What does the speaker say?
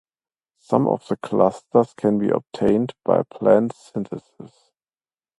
Some of the clusters can be obtained by planned synthesis.